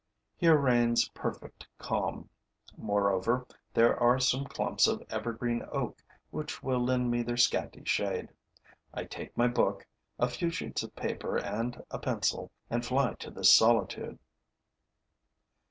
Here reigns perfect calm; moreover, there are some clumps of evergreen oak which will lend me their scanty shade. I take my book, a few sheets of paper and a pencil and fly to this solitude.